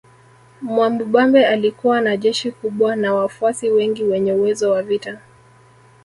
Mwamubambe alikuwa na jeshi kubwa na wafuasi wengi wenye uwezo wa vita